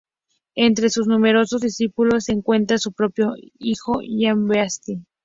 Entre sus numerosos discípulos se encuentra su propio hijo, Jean Baptiste.